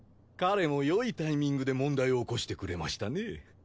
彼もよいタイミングで問題を起こしてくれましたね。